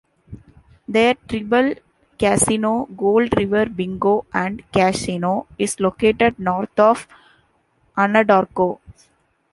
Their tribal casino, Gold River Bingo and Casino, is located north of Anadarko.